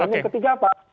maknanya ketiga apa